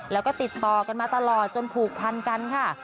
แล้วก็ติดต่อกันมาตลอดจนผูกพันกันค่ะ